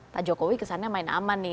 pak jokowi kesannya main aman nih